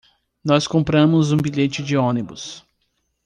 Nós compramos um bilhete de ônibus